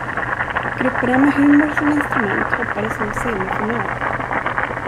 Grupperna med humor som instrument hoppades nå semifinal.